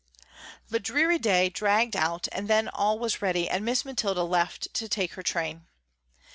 The dreary day dragged out and then all was ready and Miss Mathilda left to take her train.